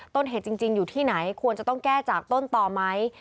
ต้นเหตุจริงอยู่ที่ไหนควรจะต้องแก้จากต้นต่อไหม